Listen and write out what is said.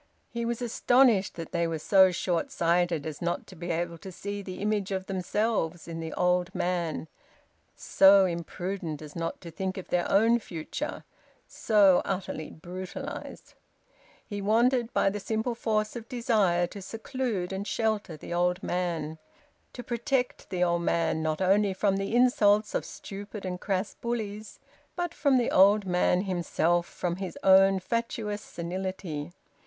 He was astonished that they were so short sighted as not to be able to see the image of themselves in the old man, so imprudent as not to think of their own future, so utterly brutalised. He wanted, by the simple force of desire, to seclude and shelter the old man, to protect the old man not only from the insults of stupid and crass bullies, but from the old man himself, from his own fatuous senility.